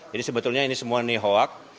jadi sebetulnya ini semua nih hoax